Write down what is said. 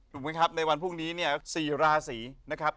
ครับในวันพรุ่งนี้เนี่ย๔ราศีนะครับ